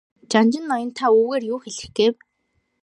Жанжин ноён та үүгээрээ юу хэлэх гээв?